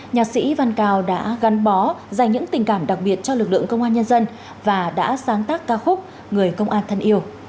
nhạc sĩ văn cao đã gắn bó dành những tình cảm đặc biệt cho lực lượng công an nhân dân và đã sáng tác ca khúc người công an thân yêu